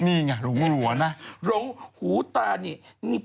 นี่หน่อยหงหูตานี่